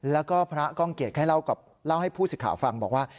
แล้วก็พระก้องเกียจให้เล่าให้ผู้สิทธิ์ข่าวฟังบอกว่า